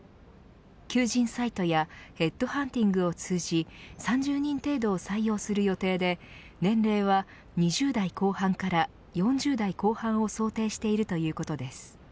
求人サイトやヘッドハンティングを通じ３０人程度を採用する予定で年齢は２０代後半から４０代後半を想定しているということです。